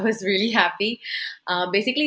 jadi saya sangat senang